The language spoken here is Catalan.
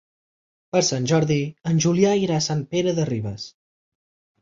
Per Sant Jordi en Julià irà a Sant Pere de Ribes.